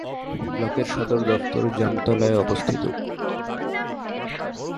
ব্লকের সদর দফতর জামতলায় অবস্থিত।